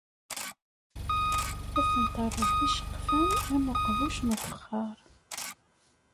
Ad ten-terreḍ d iceqfan am uqbuc n ufexxar.